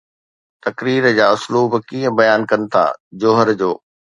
تقرير جا اسلوب ڪيئن بيان ڪن ٿا جوهر جو؟